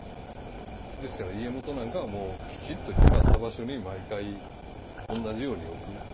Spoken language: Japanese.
ですから家元なんかはもうきちっと決まった場所に毎回同じように置く。